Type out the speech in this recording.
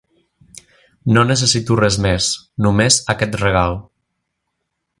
No necessito res més, només aquest regal.